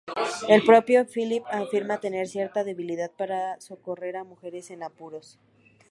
El propio Phillips afirma tener cierta debilidad para socorrer a mujeres en apuros.